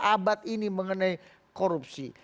abad ini mengenai korupsi